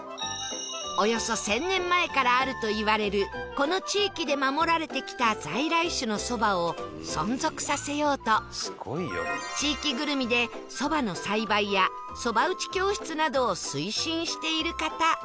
およそ１０００年前からあるといわれるこの地域で守られてきた在来種のそばを存続させようと地域ぐるみでそばの栽培やそば打ち教室などを推進している方